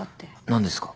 何ですか？